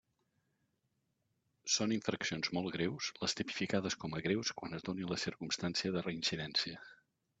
Són infraccions molt greus les tipificades com a greus quan es doni la circumstància de reincidència.